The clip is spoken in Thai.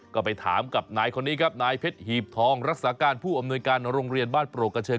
ก็ไปถามกับนายคนนี้ครับนายเพชรหีบทองรักษาการผู้อำนวยการโรงเรียนบ้านโปรกกระเชิญ